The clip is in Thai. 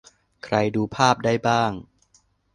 - ใครดูภาพได้บ้าง